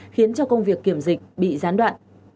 khiến cho công việc kiểm dịch bị gián đoạn